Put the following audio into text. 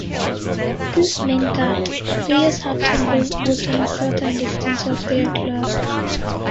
This meant that players had to live within a certain distance of their club.